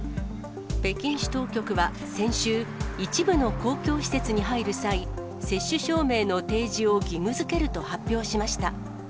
北京市当局は先週、一部の公共施設に入る際、接種証明の提示を義務づけると発表しました。